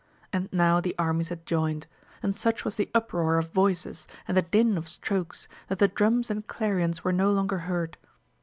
And now the armies had joined, and such was the uproar of voices and the din of strokes, that the drums and clarions were no longer heard.